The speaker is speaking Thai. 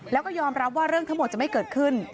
แล้วก็ยอมรับว่าเรื่องทั้งหมดจะไม่เกิดขึ้น